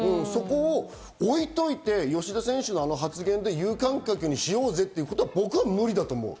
そこを置いておいて、吉田選手の発言で、有観客にしようぜっていうのは僕は無理だと思う。